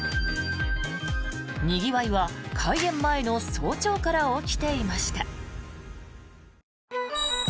にぎわいは、開園前の早朝から起きていました。